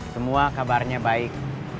semua kabarnya baik